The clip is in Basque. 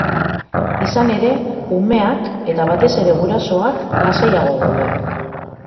Izan ere, umeak, eta batez ere, gurasoak, lasaiago daude.